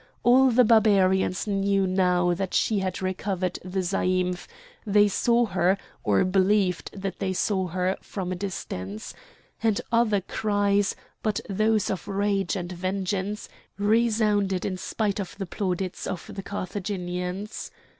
All the Barbarians knew now that she had recovered the zaïmph; they saw her or believed that they saw her from a distance; and other cries, but those of rage and vengeance, resounded in spite of the plaudits of the Carthaginians.